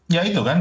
ya itu kan